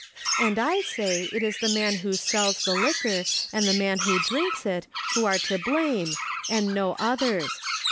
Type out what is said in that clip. And I say it is the man who sells the liquor, and the man who drinks it, who are to blame, and no others.